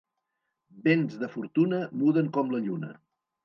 Béns de fortuna muden com la lluna.